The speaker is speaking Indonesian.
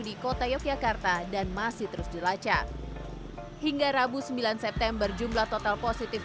di kota yogyakarta dan masih terus dilacak hingga rabu sembilan september jumlah total positif